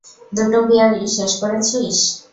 দুটো বিয়ারই শেষ করেছিস?